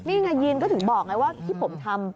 นี่ไงยีนก็ถึงบอกไงว่าที่ผมทำ